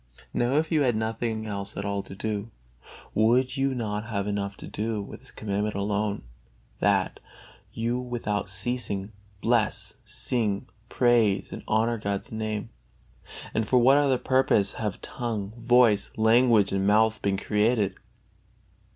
Now if you had nothing else at all to do, would you not have enough to do with this Commandment alone, that you without ceasing bless, sing, praise and honor God's Name? And for what other purpose have tongue, voice, language and mouth been created?